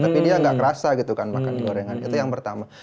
tapi dia nggak kerasa gitu kan makan di gorengan itu yang pertama